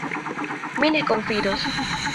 Mi ne konfidos.